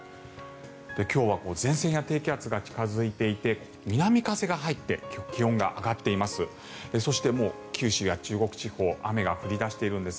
今日は前線や低気圧が近付いていて南風が入って気温が上がっています。